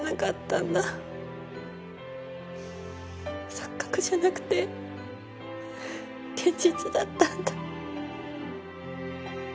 錯覚じゃなくて現実だったんだ。